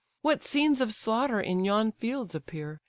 What scenes of slaughter in yon fields appear!